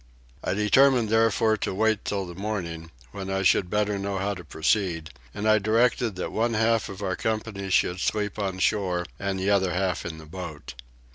I determined therefore to wait till the morning, when I should better know how to proceed, and I directed that one half of our company should sleep on shore and the other half in the boat.